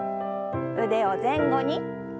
腕を前後に。